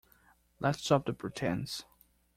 Let’s drop the pretence